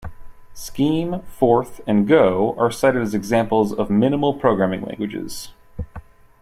Scheme, Forth, and Go are cited as examples of minimal programming languages.